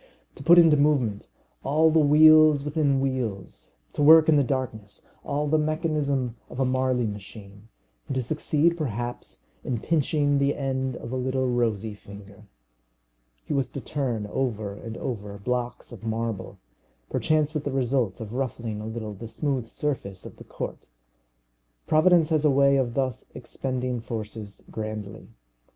To put into movement all the wheels within wheels, to work in the darkness all the mechanism of a Marly machine, and to succeed perhaps in pinching the end of a little rosy finger! He was to turn over and over blocks of marble, perchance with the result of ruffling a little the smooth surface of the court! Providence has a way of thus expending forces grandly.